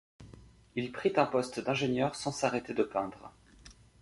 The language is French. Il prit un poste d'ingénieur sans s'arrêter de peindre.